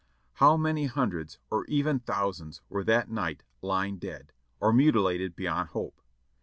How many hundreds, or even thousands, were that night lying dead, or mutilated beyond hope.